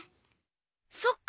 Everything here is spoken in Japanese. そっか！